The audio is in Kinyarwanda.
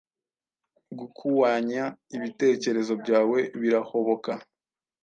gukuanya ibitekerezo byawe, birahoboka